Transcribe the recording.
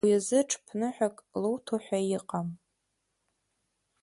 Уи азы ҽԥныҳәак луҭо ҳәа иҟам.